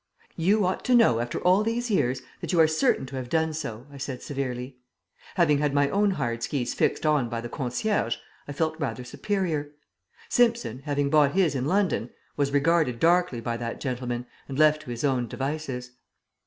"You ought to know, after all these years, that you are certain to have done so," I said severely. Having had my own hired skis fixed on by the concierge I felt rather superior. Simpson, having bought his in London, was regarded darkly by that gentleman, and left to his own devices.